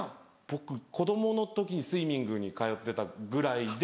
僕子供の時にスイミングに通ってたぐらいで。